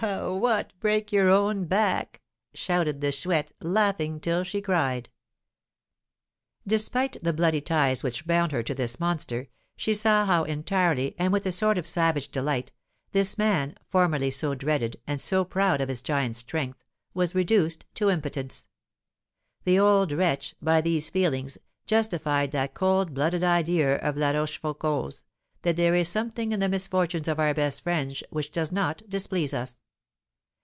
"What, break your own back?" shouted the Chouette, laughing till she cried. Despite the bloody ties which bound her to this monster, she saw how entirely, and with a sort of savage delight, this man, formerly so dreaded, and so proud of his giant strength, was reduced to impotence. The old wretch, by these feelings, justified that cold blooded idea of La Rochefoucauld's, that "there is something in the misfortunes of our best friends which does not displease us."